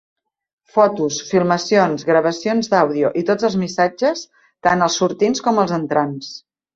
Fotos, filmacions, gravacions d'àudio i tots els missatges, tant els sortints com els entrants.